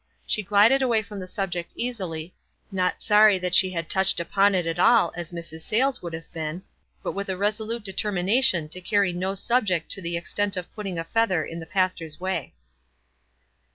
She glided away from the subject easily, not sorry that she had touched upon it at all, as Mrs. Saylcs would have been; but with a resolute determination to carry no sub ject to the extent of putting a feather in the pastor's way.